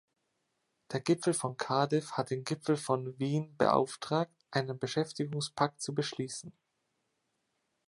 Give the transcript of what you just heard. Der Gipfel von Cardiff hat den Gipfel von Wien beauftragt, einen Beschäftigungspakt zu beschließen.